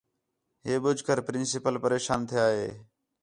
ہے ٻُجھ کر پرنسپل پریشان تِھیا ہے